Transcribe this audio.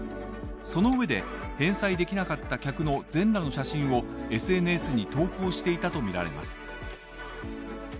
その上で返済できなかった客の全裸の写真をＳＮＳに投稿していたとみられます。